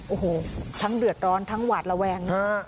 โอ้โหทั้งเดือดร้อนทั้งหวาดระแวง